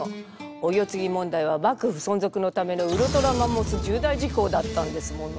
お世継ぎ問題は幕府存続のためのウルトラマンモス重大事項だったんですもの。